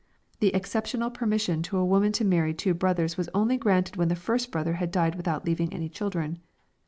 The exceptional permission to a woman to marry two brothers was only granted when the first brother had died without leaving any children.